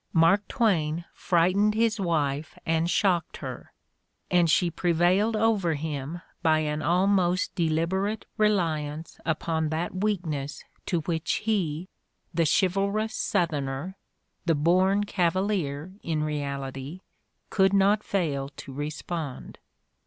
Mark Twain frightened his wife and shocked her, and she prevailed over him by an almost deliberate reliance upon that weakness to which he, the chivalrous South erner — the born cavalier, in reality — could not fail to respond.